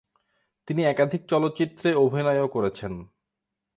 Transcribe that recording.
তিনি একাধিক চলচ্চিত্রে অভিনয়ও করেছেন।